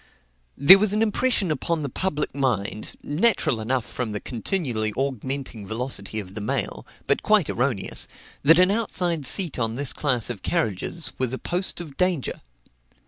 There was an impression upon the public mind, natural enough from the continually augmenting velocity of the mail, but quite erroneous, that an outside seat on this class of carriages was a post of danger.